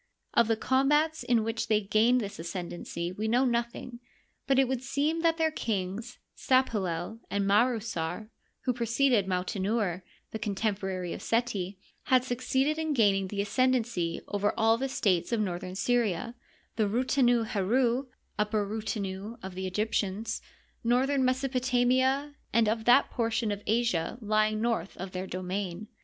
Of the combats in which they gained this ascendency we know nothing ; but it would seem that their kings Sdpalel and Marusar, who preceded Mautenouer, the contem porary of Seti, had succeeded in gaining the ascenden cy over all the states of northern Syria (the Rutenu heru Upper Rutenu " of the Egyptians), northern Mesopotamia, and of that portion of Asia lying north of their domain.